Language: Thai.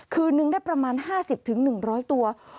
คืนนึงได้ประมาณ๕๐๑๐๐ตัว